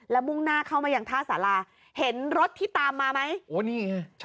แล้วมุ่งหน้าเข้ามายังท่าสาราเห็นรถที่ตามมาไหมโอ้นี่ไง